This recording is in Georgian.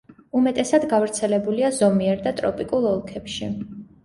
უმეტესად გავრცელებულია ზომიერ და ტროპიკულ ოლქებში.